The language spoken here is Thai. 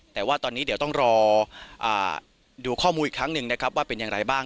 แต่ว่าตอนนี้เดี๋ยวต้องรอดูข้อมูลอีกครั้งหนึ่งนะครับว่าเป็นอย่างไรบ้าง